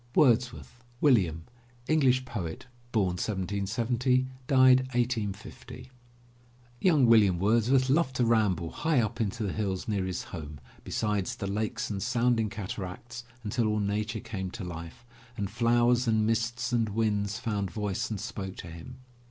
WORDSWORTH, WILLIAM (English poet, 1770 1850) Young William Wordsworth loved to ramble high up into the hills near his home, beside the lakes and sounding cataracts, until all Nature came to life, and flowers and mists and winds found voice and spoke to him.